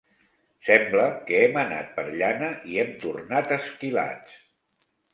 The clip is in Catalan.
Sembla que hem anat per llana i hem tornat esquilats.